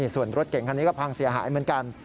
ส่วนรถเก่งคันนี้ก็พังเสียหายเหมือนกัน